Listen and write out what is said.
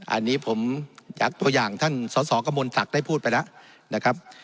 อันนี้ผมอยากตัวอย่างท่านสสกมลศักดิ์ได้พูดไปแล้วนะครับ